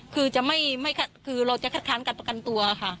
คือเราจะคัดค้างกันประกันตัวอะค่ะ